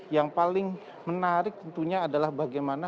yang paling menarik tentunya adalah bagaimana